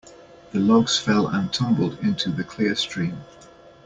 The logs fell and tumbled into the clear stream.